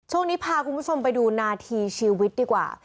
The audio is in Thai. ช่วงนี้พาคุณผู้ชมไปดูนาทีชีวิตดีกว่า